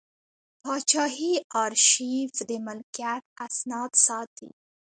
پاچاهي ارشیف د ملکیت اسناد ساتي.